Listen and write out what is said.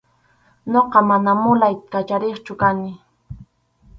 Ñuqa mana mulay kachariqchu kani.